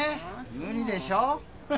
無理でしょう？